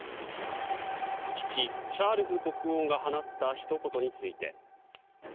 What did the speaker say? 父・チャールズ国王が放ったひと言について。